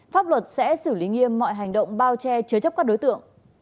pháp luật sẽ xử lý nghiêm mọi hành động bao che chứa chấp các đối tượng